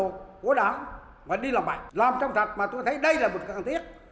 cán bộ của đảng mà đi làm mạnh làm trong sạch mà tôi thấy đây là một cái cần thiết